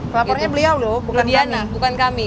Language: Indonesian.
pelapornya beliau lho bukan kami